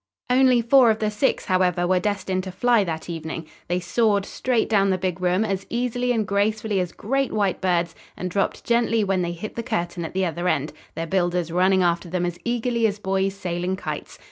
Only four of the six, however, were destined to fly that evening. They soared straight down the big room, as easily and gracefully as great white birds, and dropped gently when they hit the curtain at the other end, their builders running after them as eagerly as boys sailing kites.